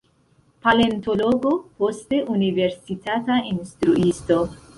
Paleontologo, poste universitata instruisto.